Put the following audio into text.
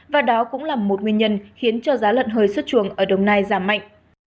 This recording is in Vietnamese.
và đó cũng là một nguyên nhân khiến cho giá lợn hơi xuất chuồng ở đồng nai giảm mạnh